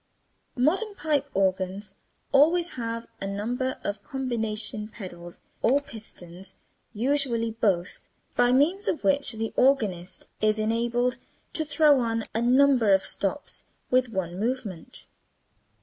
Modern pipe organs always have a number of combination pedals or pistons (usually both), by means of which the organist is enabled to throw on a number of stops with one movement.